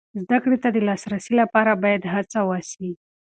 زده کړې ته د لاسرسي لپاره باید هڅه وسي.